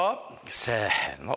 せの。